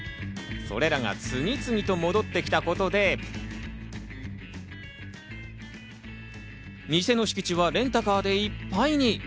それらが次々と戻ってきたことで、店の敷地はレンタカーでいっぱいに。